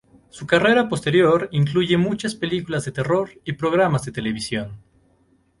Su carrera posterior incluye muchas películas de terror y programas de televisión.